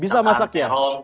bisa masak ya